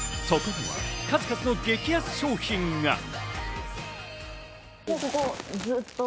そこには数々の激安商品が。